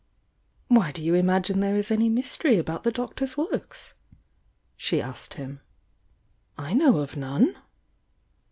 "Why do you imagine there is any mystery about the Doctor's works?" she asked him. "I know of none!"